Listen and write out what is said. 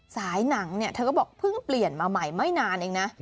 สายหนังเนี่ยเธอก็บอกเพิ่งเปลี่ยนมาใหม่ไม่นานเองนะ